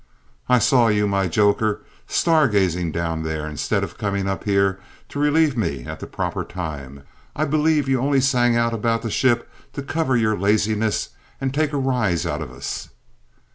"I saw you, my joker, star gazing down there, instead of coming up here to relieve me at the proper time! I believe you only sang out about the ship to cover your laziness and take a rise out of us!"